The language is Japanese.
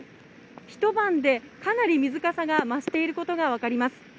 一晩でかなり水かさが増していることが分かります。